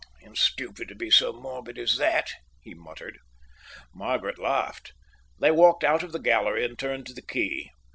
"It's stupid to be so morbid as that," he muttered. Margaret laughed. They walked out of the gallery and turned to the quay.